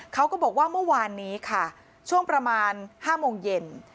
เขาก็บอกว่าเมื่อวานนี้ค่ะช่วงประมาณ๕โมงเย็น